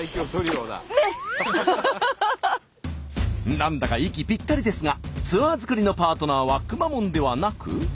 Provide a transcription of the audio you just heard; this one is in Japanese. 何だか息ぴったりですがツアー作りのパートナーはくまモンではなく。